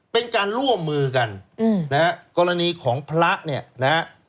เป็นการร่วมมือกันกรณีของพระเนี่ย